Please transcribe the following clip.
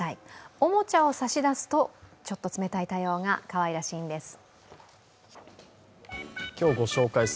おもちゃを差し出すと、ちょっと冷たい対応がかわいらしいんです。